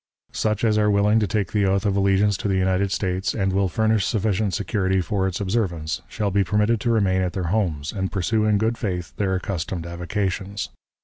"Such as are willing to take the oath of allegiance to the United States, and will furnish sufficient security for its observance, shall be permitted to remain at their homes, and pursue in good faith their accustomed avocations.